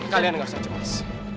kalian dengar saja mas